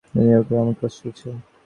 New ইয়র্কে আমার class চলছে।